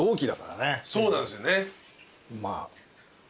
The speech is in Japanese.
そうなんですよね。